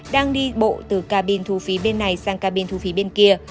đang đi bộ từ cabin thu phí bên này sang cabin thu phí bên kia